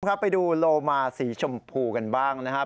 ครับไปดูโลมาสีชมพูกันบ้างนะครับ